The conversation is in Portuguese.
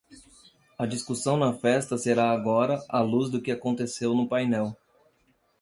A discussão na festa será agora à luz do que aconteceu no painel.